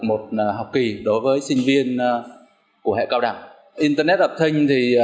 một học kỳ đối với sinh viên của hệ cao đẳng internet of thing thì